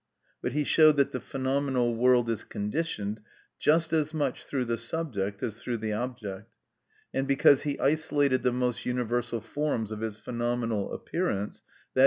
But he showed that the phenomenal world is conditioned just as much through the subject as through the object, and because he isolated the most universal forms of its phenomenal appearance, _i.